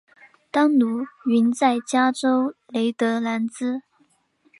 当奴云在加州雷德兰兹。